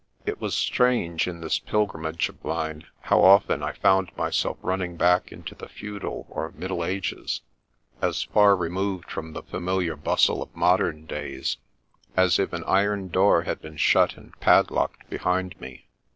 It was strange, in this pilgrimage of mine, how often I found myself running back into the Feudal or Mid dle Ages, as far removed from the familiar bustle of modern days as if an iron door had been shut and padlocked behind me.